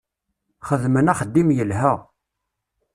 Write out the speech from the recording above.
Xedmen axeddim yelha.